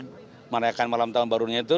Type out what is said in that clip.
merayakan malam tahun barunya itu